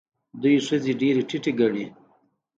دوی ښځې ډېرې ټیټې ګڼي.